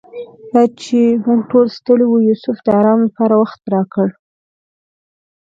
دا چې موږ ټول ستړي وو یوسف د آرام لپاره وخت راکړ.